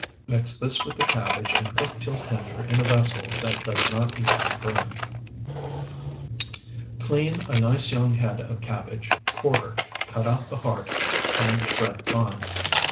Mix this with the cabbage and cook till tender in a vessel that does not easily burn. HOT SLAW Clean a nice young head of cabbage, quarter, cut out the heart, and shred fine.